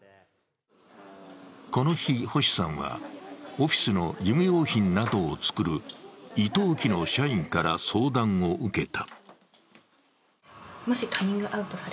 この日、星さんはオフィスの事務用品などを作るＩＴＯＫＩの社員から相談を受けた。